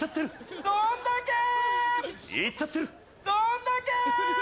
どんだけー。